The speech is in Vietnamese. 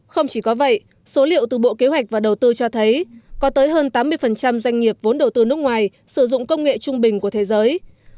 không chỉ có vậy số liệu từ bộ kế hoạch và đầu tư cho thấy có tới hơn tám mươi doanh nghiệp vốn đầu tư nước ngoài sử dụng công nghệ trung bình của thế giới